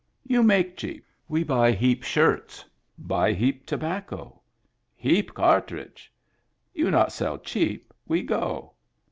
" You make cheap, we buy heap shirts." " Buy heap tobacco." " Heap cartridge." " You not sell cheap, we go."